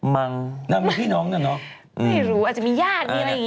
มั้งไม่รู้อาจจะมีญาติมีอะไรอย่างนี้ไง